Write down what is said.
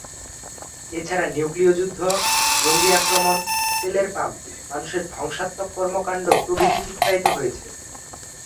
এছাড়া নিউক্লীয় যুদ্ধ, জঙ্গী আক্রমণ, তেলের পাম্প, মানুষের ধ্বংসাত্মক কর্মকাণ্ড প্রভৃতি চিত্রায়িত হয়েছে।